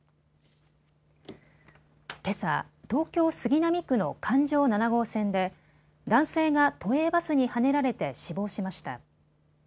けさ、東京杉並区の環状七号線で男性が都営バスにはねられて死亡しました。